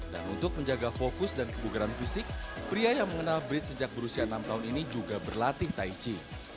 dan untuk menjaga fokus dan kebugaran fisik pria yang mengenal bridge sejak berusia enam tahun ini juga berlatih tai chi